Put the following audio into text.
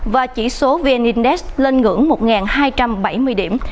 và chỉ số vn index lên ngưỡng một hai trăm bảy mươi điểm